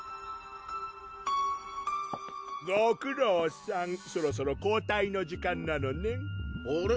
・ご苦労さんそろそろ交代の時間なのねん・あれ？